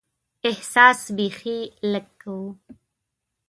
احساس بیخي لږ کوو.